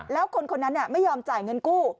แล้วคนคนนั้นไม่ยอมจ่ายเงินกู้